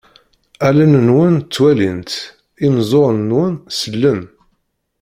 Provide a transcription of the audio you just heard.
Allen-nwen ttwalint, imeẓẓuɣen-nwen sellen.